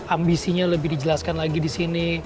ambisinya lebih dijelaskan lagi disini